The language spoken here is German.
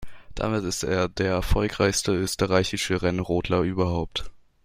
Damit ist er der erfolgreichste österreichische Rennrodler überhaupt.